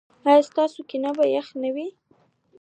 ایا ستاسو کینه به یخه نه وي؟